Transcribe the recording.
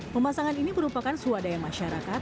pemasangan ini merupakan swadaya masyarakat